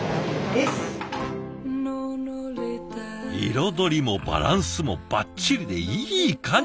彩りもバランスもバッチリでいい感じ。